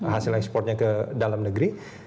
hasil ekspornya ke dalam negeri